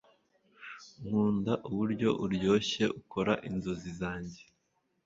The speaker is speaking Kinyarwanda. nkunda uburyo uryoshye ukora inzozi zanjye